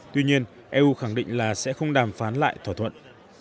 tuy nhiên eu khẳng định là sẽ không đàm phán lại thỏa thuận